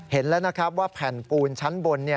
เห็นแล้วว่าแผ่นปูนชั้นบน